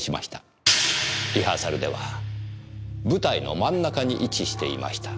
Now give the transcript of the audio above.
リハーサルでは舞台の真ん中に位置していました。